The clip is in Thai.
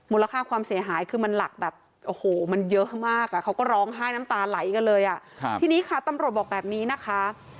ค่าความเสียหายคือมันหลักแบบโอ้โหมันเยอะมากอ่ะเขาก็ร้องไห้น้ำตาไหลกันเลยอ่ะทีนี้ค่ะตำรวจบอกแบบนี้นะคะ